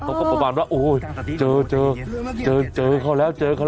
เขาก็ประมาณว่าโอ้ยเจอเจอเขาแล้ว